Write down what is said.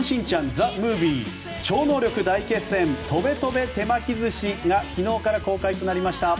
ＴＨＥＭＯＶＩＥ超能力大決戦とべとべ手巻き寿司」が昨日から公開となりました。